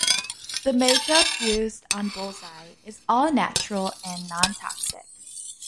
The makeup used on Bullseye is all natural and non-toxic.